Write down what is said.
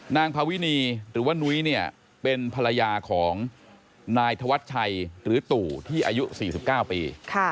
นางพาวินีหรือว่านุ้ยเนี่ยเป็นภรรยาของนายธวัชชัยหรือตู่ที่อายุ๔๙ปี